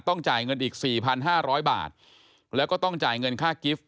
ต้องจ่ายเงินอีกสี่พันห้าร้อยบาทแล้วก็ต้องจ่ายเงินค่ากิฟต์